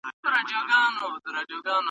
انلاين درسونه بې موادو بیاکتنې پرته نه وي.